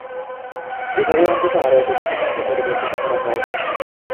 এভাবে অন্তত আরও দুটি বিমানকে পরিবর্তিত করা হয়।